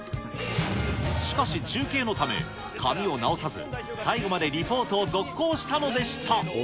しかし、中継のため、髪を直さず、最後までリポートを実行したのでした。